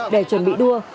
để chuẩn bị đua